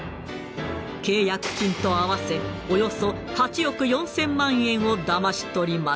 契約金と合わせおよそ８億４，０００万円をだまし取りました。